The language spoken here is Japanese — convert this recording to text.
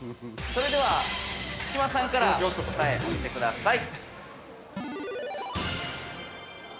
◆それでは、木嶋さんから答え、お見せください。